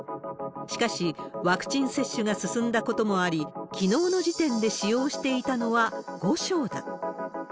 しかし、ワクチン接種が進んだこともあり、きのうの時点で使用していたのは５床だ。